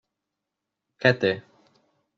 Què té?